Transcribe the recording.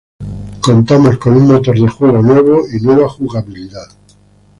Contamos con un motor de juego nuevo y nueva jugabilidad.